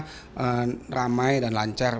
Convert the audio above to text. adalah jalan yang ramai dan lancar